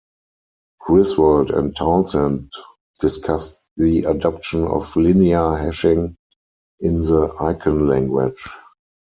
Griswold and Townsend discussed the adoption of linear hashing in the Icon language.